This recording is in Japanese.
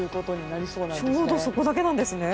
ちょうどそこだけなんですね。